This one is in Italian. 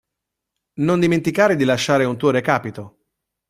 Non dimenticare di lasciare un tuo recapito.